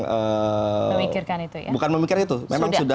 memikirkan itu ya bukan memikirkan itu